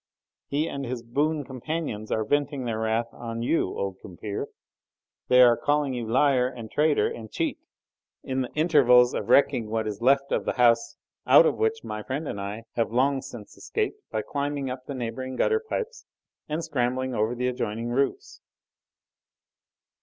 He and his boon companions are venting their wrath on you, old compeer; they are calling you liar and traitor and cheat, in the intervals of wrecking what is left of the house, out of which my friend and I have long since escaped by climbing up the neighbouring gutter pipes and scrambling over the adjoining roofs."